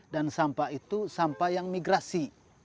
dan sampah itu sampah yang migrasi